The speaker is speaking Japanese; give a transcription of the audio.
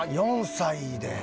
４歳で！